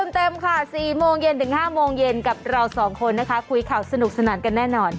เต็มค่ะ๔โมงเย็นถึง๕โมงเย็นกับเราสองคนนะคะคุยข่าวสนุกสนานกันแน่นอน